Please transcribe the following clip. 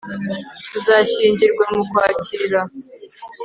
tuzashyingirwa mu kwakira